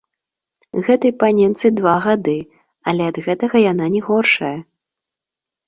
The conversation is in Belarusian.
Гэтай паненцы два гады, але ад гэтага яна не горшая!